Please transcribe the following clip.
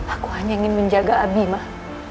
aku hanya ingin menjaga abi mah